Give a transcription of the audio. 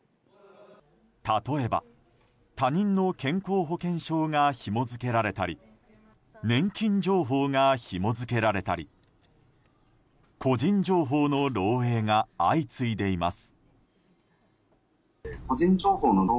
例えば、他人の健康保険証がひも付けられたり年金情報がひも付けられたり。個人情報の漏洩が相次いでいます。